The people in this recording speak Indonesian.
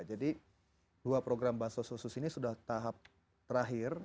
jadi dua program bansos khusus ini sudah tahap terakhir